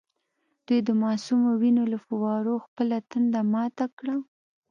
دوی د معصومو وینو له فووارو خپله تنده ماته کړه.